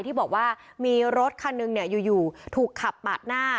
ที่บอกว่ามีรถคันหนึ่งอยู่ถูกขับปาดหน้า